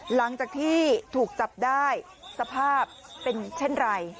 หลังจากที่ถูกจับได้สภาพเป็นเช่นไร